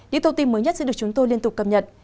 những thông tin mới nhất sẽ được chúng tôi liên tục cập nhật